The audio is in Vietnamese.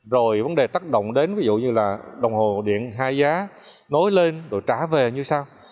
rồi vấn đề tác động đến ví dụ như là đồng hồ điện hai giá nối lên rồi trả về như sau